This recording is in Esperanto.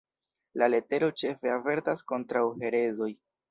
La letero ĉefe avertas kontraŭ herezoj.